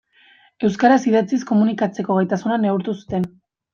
Euskaraz idatziz komunikatzeko gaitasuna neurtu zuten.